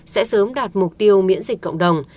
sẽ sớm đạt mục tiêu miễn dịch cộng đồng